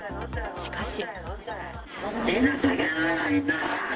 しかし。